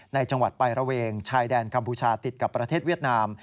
ในจังหวัดไประเวงชายแดนกัมพูชาติดกับประเทศเวียดนาม